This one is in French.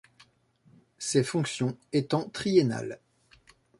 Ces fonctions étant triennales.